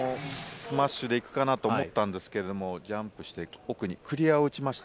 スマッシュで行くかなと思ったんですが、ジャンプして奥にクリアを打ちました。